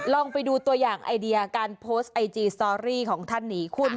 ลองไปดูตัวอย่างไอเดียการโพสต์ไอจีสตอรี่ของท่านนี้